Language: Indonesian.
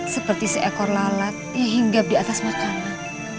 seperti seekor lalat yang hinggap di atas makanan